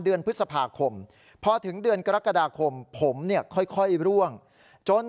เดือนพฤษภาคมพอถึงเดือนกรกฎาคมผมเนี่ยค่อยร่วงจน